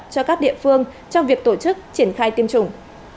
cho các địa phương trong việc tổ chức triển khai tiêm chủng